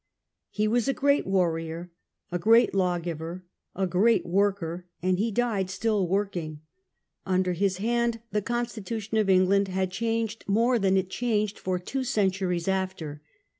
He was a great warrior, a great lawgiver, a great worker, arid he died still working. Under his hand the constitu EDWARD OF CAERNARVON. 97 tion of England had changed more than it changed for two centuries after.